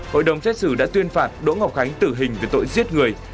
hội đồng xét xử đã tuyên phạt đỗ ngọc khánh tử hình về tội giết người